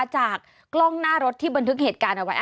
จากกล้องหน้ารถที่บันทึกเหตุการณ์เอาไว้